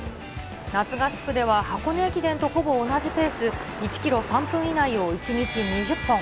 夏合宿では箱根駅伝と同じほぼペース、１キロ３分以内を１日２０本。